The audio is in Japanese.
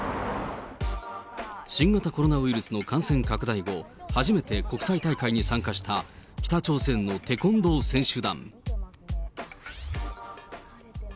新型コロナウイルスの感染拡大後、初めて国際大会に参加した、北朝鮮のテコンドー選手団。